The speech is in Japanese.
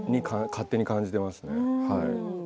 勝手に感じています。